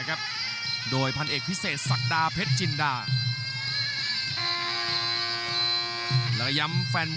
กรุงฝาพัดจินด้า